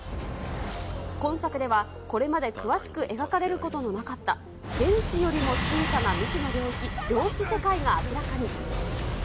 今作では、これまで詳しく描かれることのなかった、原子よりも小さな未知の領域、量子世界が明らかに。